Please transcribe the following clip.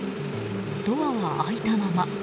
ドアは開いたまま。